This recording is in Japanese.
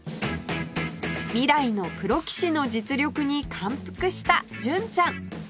未来のプロ棋士の実力に感服した純ちゃん